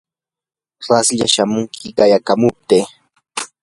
raslla shamunki qayakamuptii.